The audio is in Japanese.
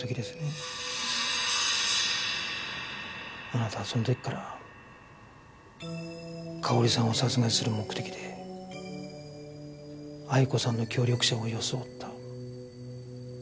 あなたはその時から佳保里さんを殺害する目的で鮎子さんの協力者を装った。